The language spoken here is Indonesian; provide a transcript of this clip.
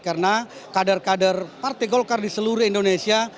karena kader kader partai golkar di seluruh indonesia